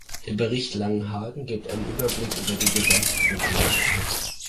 Der Bericht Langenhagen gibt einen Überblick über die Gesamtproblematik.